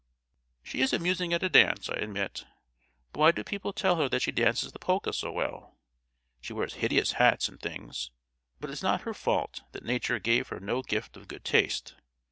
"She is amusing at a dance, I admit; but why do people tell her that she dances the polka so well? She wears hideous hats and things; but it's not her fault that nature gave her no gift of good taste.